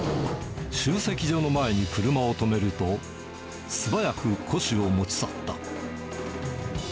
集積所の前に車を止めると、素早く古紙を持ち去った。